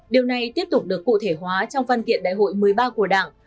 điều này tiếp tục được cụ thể hóa trong phân tiện đại hội một mươi ba của đảng